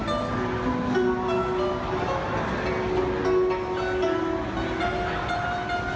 ที่หน่อยเราจะไปดูของชื่อได้เกี่ยวกันเถอะ